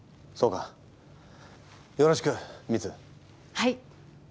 はい。